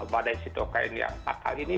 badan sitokain yang fatal ini